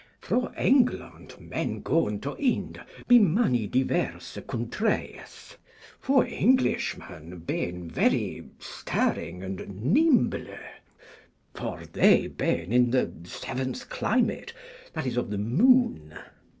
Fro England men gon to Ynde by many dyverse Contreyes. For Englishmen ben very stirring and nymble. For they ben in the seventh climate, that is of the Moon.